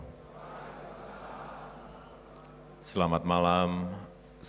wa'alaikumussalam warahmatullahi wabarakatuh